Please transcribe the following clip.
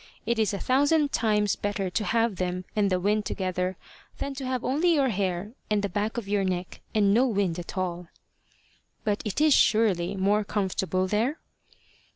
It is a thousand times better to have them and the wind together, than to have only your hair and the back of your neck and no wind at all." "But it is surely more comfortable there?"